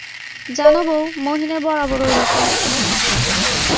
জান বউ, মহিনের বরাবর ঐরকম।